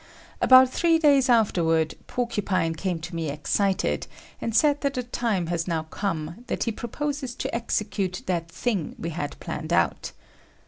About three days afterward, Porcupine came to me excited, and said that the time has now come, that he proposes to execute that thing we had planned out.